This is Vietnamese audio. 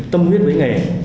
tâm nguyên với nghề